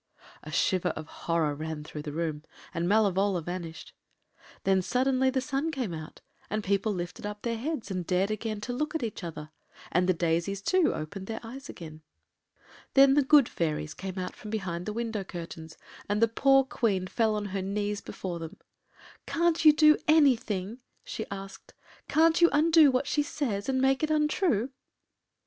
” A shiver of horror ran through the room, and Malevola vanished. Then, suddenly, the sun came out, and people lifted up their heads, and dared again to look at each other. And the daisies, too, opened their eyes again. [Illustration: MALEVOLA’S DRESS WAS NOT AT ALL THE THING FOR A CHRISTENING.] Then the good fairies came out from behind the window curtains, and the poor Queen fell on her knees before them. “Can’t you do anything?” she asked. “Can’t you undo what she says, and make it untrue?